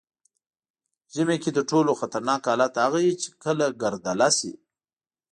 ژمي کې تر ټولو خطرناک حالت هغه وي چې کله ګردله شي.